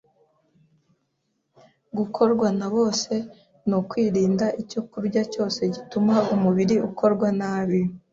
gukorwa na bose ni ukwirinda icyokurya cyose gituma umubiri ukora nabi